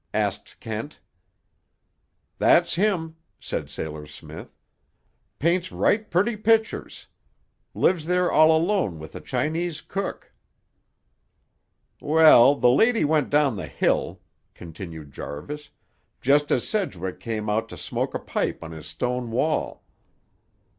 asked Kent. "That's him," said Sailor Smith. "Paints right purty pictures. Lives there all alone with a Chinese cook." "Well, the lady went down the hill," continued Jarvis, "just as Sedgwick come out to smoke a pipe on his stone wall.